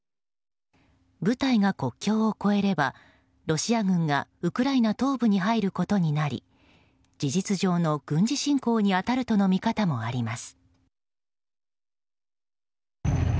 部隊が国境を越えればロシア軍がウクライナ東部に入ることになり事実上の軍事侵攻に当たるとの見方もあります。